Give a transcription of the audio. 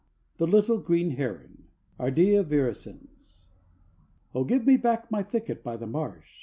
THE LITTLE GREEN HERON. (Ardea virescens.) Oh, give me back my thicket by the marsh!